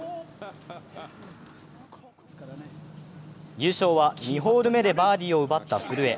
優勝は２ホール目でバーディーを奪った古江。